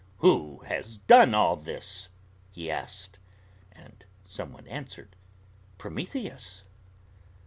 "Who has done all this?" he asked. And some one answered, "Prometheus!"